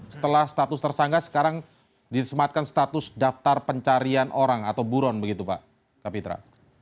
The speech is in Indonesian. setelah status tersangka sekarang disematkan status daftar pencarian orang atau buron begitu pak kapitra